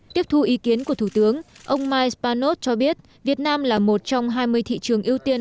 tiếp thu ý kiến của thủ tướng ông mike spanos cho biết việt nam là một trong hai mươi thị trường ưu tiên